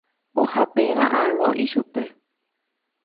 ohapera'ãrõ ichupe.